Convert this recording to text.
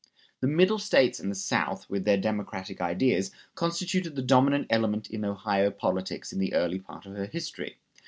The Middle States and the South, with their democratic ideas, constituted the dominant element in Ohio politics in the early part of her history.